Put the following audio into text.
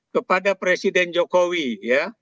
kepada presiden jokowi ya